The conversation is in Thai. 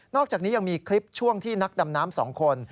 อกจากนี้ยังมีคลิปช่วงที่นักดำน้ำ๒คน